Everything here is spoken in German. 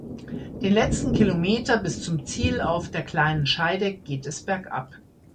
Den letzten Kilometer bis zum Ziel auf der Kleinen Scheidegg geht es bergab.